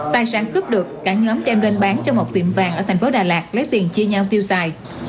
tài sản cướp được cả nhóm đem bán cho một tiệm vàng ở thành phố đà lạt lấy tiền chia nhau tiêu xài